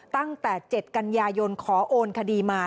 ตั้งแต่๗กันยายนขอโอนคดีมา